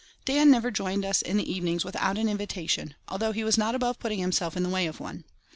Dan never joined us in the evenings without an invitation, although he was not above putting himself in the way of one.